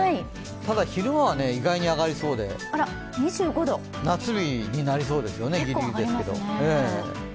ただ昼間は意外に上がりそうで夏日になりそうですよね、ギリギリですけど。